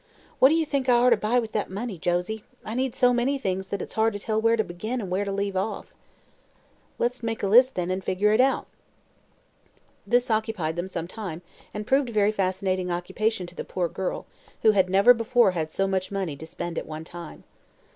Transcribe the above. "What do you think I orter buy with that money, Josie? I need so many things that it's hard to tell where to begin and where to leave off." "Let's make a list, then, and figure it out." This occupied them some time and proved a very fascinating occupation to the poor girl, who had never before had so much money to spend at one time.